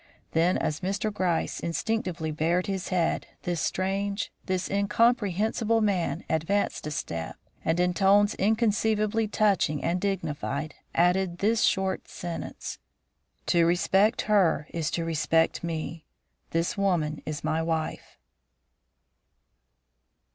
Then as Mr. Gryce instinctively bared his head, this strange, this incomprehensible man advanced a step, and in tones inconceivably touching and dignified, added this short sentence: "To respect her is to respect me; this woman is my wife."